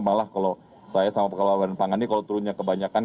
malah kalau saya sama kepala badan pangan ini kalau turunnya kebanyakan